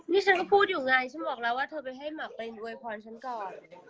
นี่ฉันก็พูดอยู่ไงฉันบอกแล้วว่าเธอไปให้หมักไปอวยพรฉันก่อน